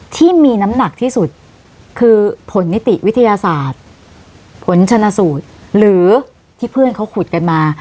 ที่มีน้ำหนักที่สุดคือผลนิติวิทยาศาสตร์ผลชนสูตรหรือที่เพื่อนเขาขุดกันมา